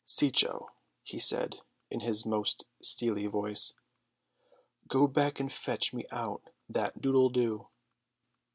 "Cecco," he said in his most steely voice, "go back and fetch me out that doodle doo."